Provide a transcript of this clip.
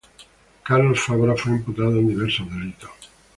Carlos Fabra fue imputado en diversos delitos.